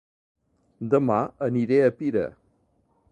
Dema aniré a Pira